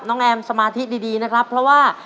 แอมสมาธิดีนะครับเพราะว่า